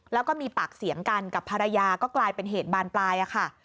แล้วก็มีปากเสียงกันกับภรรยาก็กลายเป็นเหตุบานปลายค่ะ